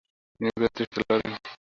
তিনি বীরত্বের সাথে লড়েন।